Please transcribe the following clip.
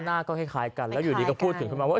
หน้าก็คล้ายกันแล้วอยู่ดีก็พูดถึงขึ้นมาว่า